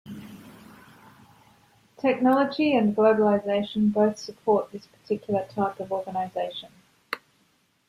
Technology and globalization both support this particular type of organization.